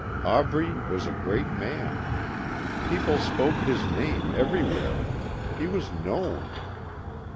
Aubrey was a great man. People spoke his name everywhere. He was known.